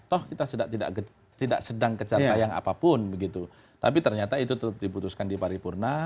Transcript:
toh kita tidak sedang kejar tayang apapun tapi ternyata itu tetap dibutuhkan di paripurna